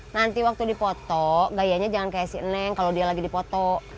nanti waktu dipoto gayanya jangan kayak si neng kalau dia lagi dipoto